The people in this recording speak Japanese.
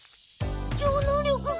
超能力が。